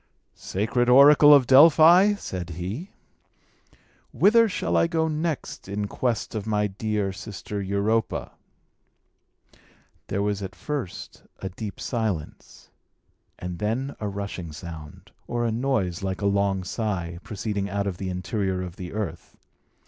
"Sacred oracle of Delphi," said he, "whither shall I go next in quest of my dear sister Europa?" There was at first a deep silence, and then a rushing sound, or a noise like a long sigh, proceeding out of the interior of the earth.